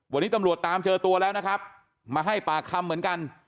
วันนี้ตำรวจตามเจอตัวแล้วนะครับมาให้ปากคำเหมือนกัน